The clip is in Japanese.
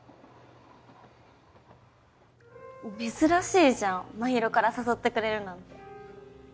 珍しいじゃん真尋から誘ってくれるなんて。